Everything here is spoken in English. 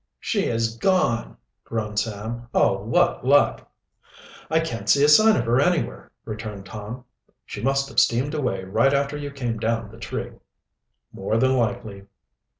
"She has gone!" groaned Sam. "Oh, what luck! "I can't see a sign of her anywhere?" returned Tom. "She must have steamed away right after you came down the tree." "More than likely."